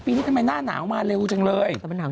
ปีนี้ทำไมหน้าหนาวมาเร็วจังเลย